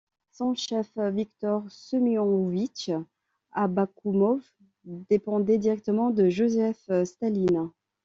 Son chef, Viktor Semionovitch Abakoumov, dépendait directement de Joseph Staline.